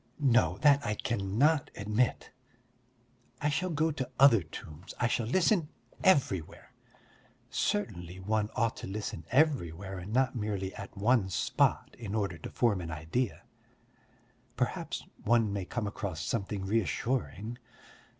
No, that I cannot admit. I shall go to other tombs, I shall listen everywhere. Certainly one ought to listen everywhere and not merely at one spot in order to form an idea. Perhaps one may come across something reassuring.